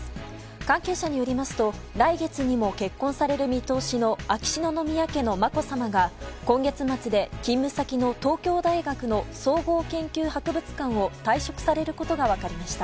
関係者によりますと来月にも結婚される見通しの秋篠宮家のまこさまが今月末で勤務先の東京大学の総合研究博物館を退職されることが分かりました。